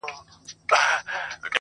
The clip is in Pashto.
چا له وني څخه وکړله پوښتنه!!